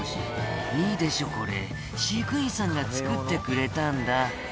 「いいでしょこれ飼育員さんが作ってくれたんだ」